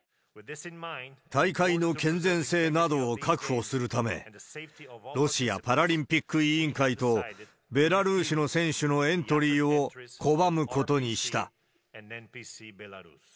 大会の健全性などを確保するため、ロシアパラリンピック委員会とベラルーシの選手のエントリーを拒むことにした。